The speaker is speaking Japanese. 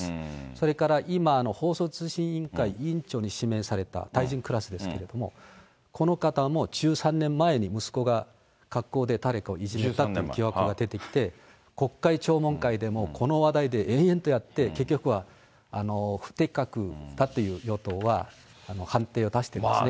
それから今、放送通信委員会、委員長に指名された大臣クラスですけれども、この方も１３年前に息子が学校で誰かをいじめたという疑惑が出てきて、国会聴聞会でもこの話題で延々とやって、結局は不適格だという、与党は判定を出してるんですね。